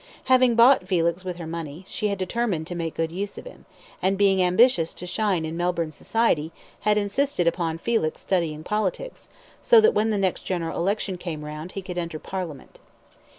Having bought Felix with her money, she had determined to make good use of him, and, being ambitious to shine in Melbourne society, had insisted upon Felix studying politics, so that when the next general election came round he could enter Parliament.